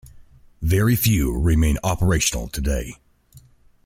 Very few remain operational today.